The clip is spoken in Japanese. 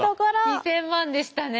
２，０００万でしたね。